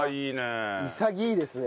潔いですね。